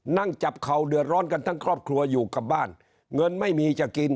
นั่งจับเข่าเดือดร้อนกันทั้งครอบครัวอยู่กับบ้านเงินไม่มีจะกิน